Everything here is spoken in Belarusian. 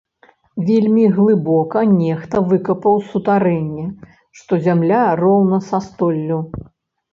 Вельмі глыбока нехта выкапаў сутарэнне, што зямля роўна са столлю.